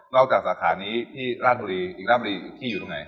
จากสาขานี้ที่ราชบุรีอีกราชบุรีที่อยู่ตรงไหน